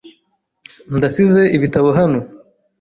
Ndasize ibitabo hano.